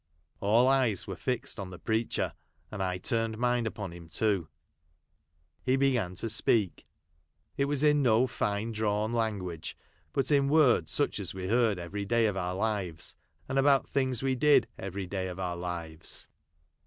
All eyes were fixed on the preacher ; and I turned mine upon him too. He began to speak ; it was in no fine drawn language, but in worda such as we heard every day of our lives, and about things we did every day of our lives.